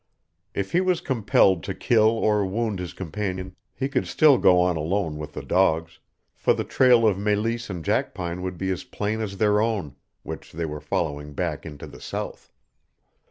If he was compelled to kill or wound his companion he could still go on alone with the dogs, for the trail of Meleese and Jackpine would be as plain as their own, which they were following back into the South.